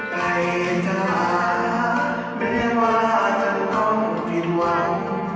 ใครจะหาไม่ว่าจะต้องผิดหวาน